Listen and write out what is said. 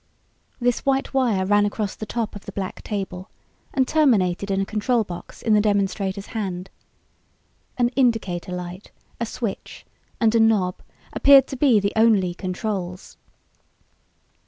This white wire ran across the top of the black table and terminated in a control box in the demonstrator's hand. An indicator light, a switch and a knob appeared to be the only controls.